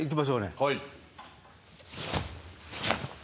はい。